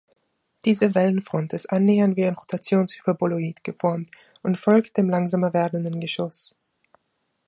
Diese Wellenfront ist annähernd wie ein Rotations-Hyperboloid geformt und folgt dem langsamer werdenden Geschoss.